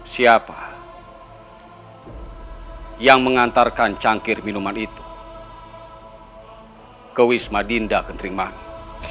siapa yang mengantarkan cangkir minuman itu ke wisma dinda kentrimangi